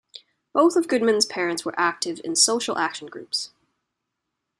Both of Goodman's parents were active in social action groups.